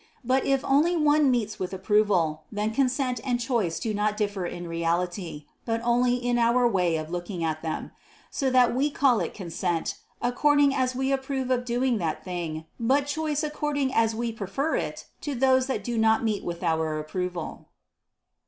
But if only one meets with approval, then consent and choice do not differ in reality, but only in our way of looking at them; so that we call it consent, according as we approve of doing that thing; but choice according as we prefer it to those that do not meet with our approval.